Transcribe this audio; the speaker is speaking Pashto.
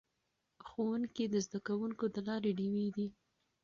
ښوونکي د زده کوونکو د لارې ډیوې دي.